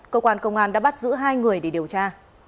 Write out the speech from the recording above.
cơ quan công an đã bắt giữ hai người để điều tra